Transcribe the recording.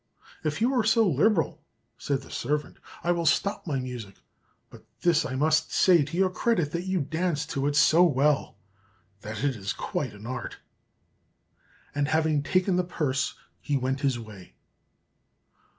"If you are so liberal," said the servant, "I will stop my music; but this I must say to your credit, that you dance to it so well that it is quite an art;" and having taken the purse he went his way.